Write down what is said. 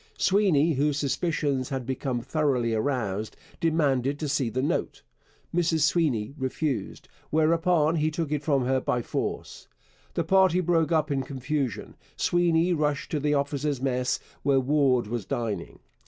Sweeny, whose suspicions had become thoroughly aroused, demanded to see the note. Mrs Sweeny refused, whereupon he took it from her by force. The party broke up in confusion. Sweeny rushed to the officers' mess, where Warde was dining.